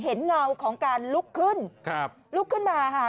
เห็นเงาของการลุกขึ้นลุกขึ้นมาค่ะ